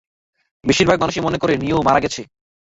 বেশিরভাগ মানুষই মনে করে, নিও মারা গেছে।